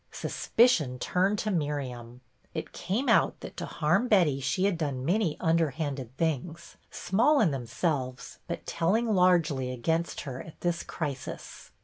Suspicion turned to Miriam. It came out that to harm Betty she had done many underhanded things, small in themselves but telling largely against her at this crisis.